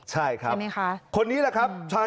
ใช่ครับคนนี้ล่ะครับ